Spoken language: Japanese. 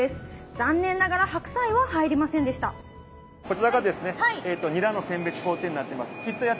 残念ながら白菜は入りませんでしたなるほど。